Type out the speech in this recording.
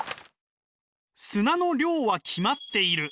砂の量は決まっている。